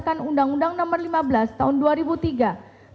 menjadi undang undang berdasarkan undang undang nomor lima belas tahun dua ribu tiga